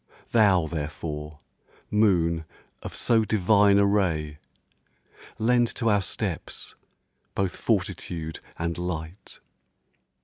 Thou, therefore, moon of so divine a ray, Lend to our steps both fortitude and light!